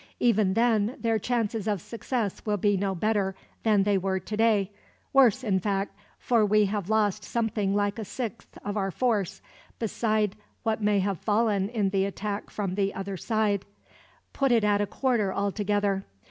Even then their chances of success will be no better than they were today; worse, in fact, for we have lost something like a sixth of our force, beside what may have fallen in the attack from the other side; put it at a quarter, altogether.